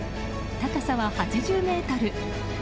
高さは８０ｍ。